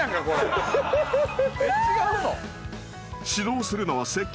［指導するのは接客